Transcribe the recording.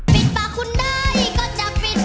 ทีมพี่ชนะคือทีม